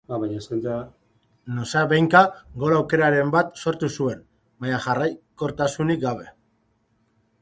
Noizbehinka gol aukeraren bat sortu zuen, baina jarraikortasunik gabe.